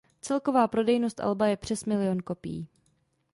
Celková prodejnost alba je přes milion kopií.